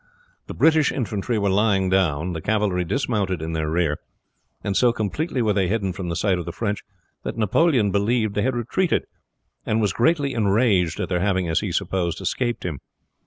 The British infantry were lying down, the cavalry dismounted in their rear, and so completely were they hidden from the sight of the French that Napoleon believed they had retreated, and was greatly enraged at their having, as he supposed, escaped him.